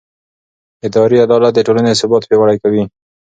اداري عدالت د ټولنې ثبات پیاوړی کوي.